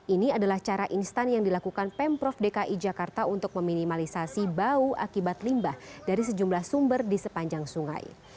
ini adalah cara instan yang dilakukan pemprov dki jakarta untuk meminimalisasi bau akibat limbah dari sejumlah sumber di sepanjang sungai